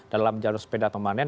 dalam jalur sepeda permanen